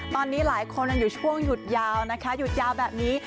ตอนนี้หลายคนยังอยู่ช่วงหยุดยาวนะคะหยุดยาวแบบนี้